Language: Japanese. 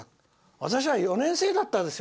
私は４年生だったですよ。